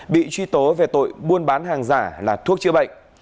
bị truy tố về tội buôn bán hàng giả là thuốc chữa bệnh